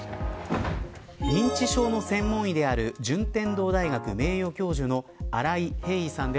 認知症の専門医である順天堂大学名誉教授の新井平伊さんです。